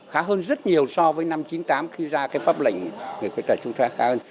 khá hơn rất nhiều so với năm chín mươi tám khi ra cái pháp lệnh người khuyết tật chúng ta khá hơn